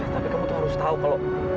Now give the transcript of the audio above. tapi kamu tuh harus tahu kalau